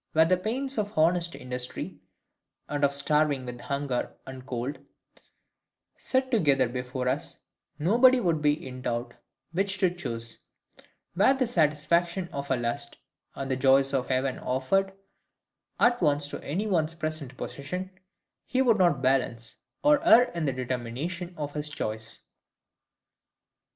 Were the pains of honest industry, and of starving with hunger and cold set together before us, nobody would be in doubt which to choose: were the satisfaction of a lust and the joys of heaven offered at once to any one's present possession, he would not balance, or err in the determination of his choice.